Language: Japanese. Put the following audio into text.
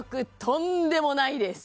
とんでもないです！